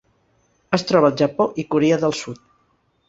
Es troba al Japó i Corea del Sud.